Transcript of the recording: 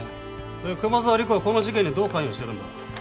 で熊沢理子はこの事件にどう関与しているんだ？